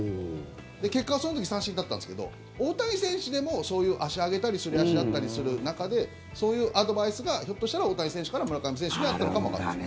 結果はその時三振だったんですけど大谷選手でもそういう足上げたりすり足だったりする中でそういうアドバイスがひょっとしたら大谷選手から村上選手にあったかもわからないです。